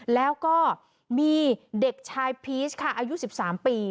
แล้วก็มีเด็กชายพีชค่ะอายุ๑๓ปี